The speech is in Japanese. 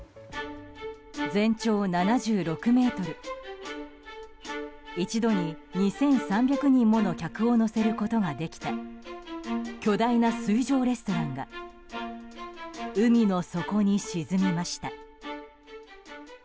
全長７６ｍ一度に２３００人もの客を乗せることができた巨大な水上レストランが海の底に沈みました。